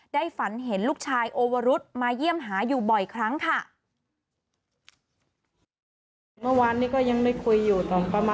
ฝันเห็นลูกชายโอวรุธมาเยี่ยมหาอยู่บ่อยครั้งค่ะ